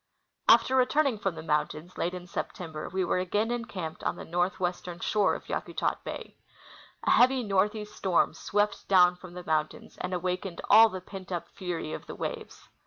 After returning from the mountains, late in September, we were again encamped on the northwestern shore of Yakutat bay. A heavy northeast storm swept down from the mountains and awakened all the pent up fury of the waves.